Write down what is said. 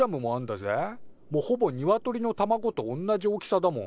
もうほぼニワトリの卵とおんなじ大きさだもん。